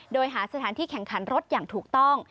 โดยหาสถานที่แข่งขันรถอย่างถูกต้อง